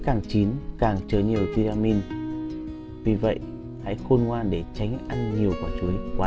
càng chín càng trời nhiều tiramin vì vậy hãy khôn ngoan để tránh ăn nhiều quả chuối quá chín